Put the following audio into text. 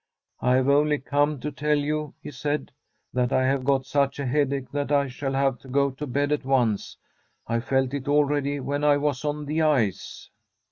* I have only come to tell you,' he said, * that I have got such a headache, that I shall have to go to bed at once. I felt it already when I was on the ice.'